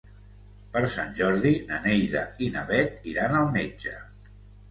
Per Sant Jordi na Neida i na Bet iran al metge.